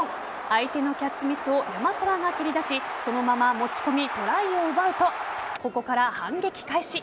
相手のキャッチミスを山沢が蹴り出しそのまま持ち込みトライを奪うとここから反撃開始。